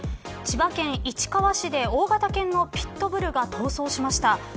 千葉県市川市で大型犬のピット・ブルが逃走しました。